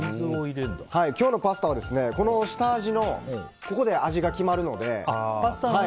今日のパスタは下味のここで味が決まるので。